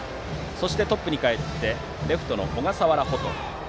そしてトップにかえってレフトの小笠原蛍。